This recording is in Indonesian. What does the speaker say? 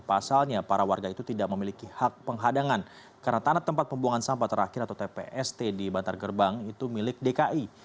pasalnya para warga itu tidak memiliki hak penghadangan karena tanah tempat pembuangan sampah terakhir atau tpst di bantar gerbang itu milik dki